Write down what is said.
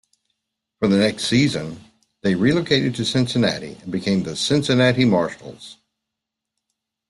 For the next season they relocated to Cincinnati and became the Cincinnati Marshals.